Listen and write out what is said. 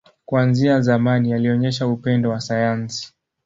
Kuanzia zamani, alionyesha upendo wa sayansi.